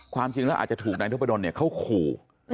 ความจริงอาจจะถูกนายโนโพดนเขาขู